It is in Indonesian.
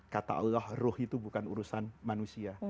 kata allah ruh itu bukan urusan manusia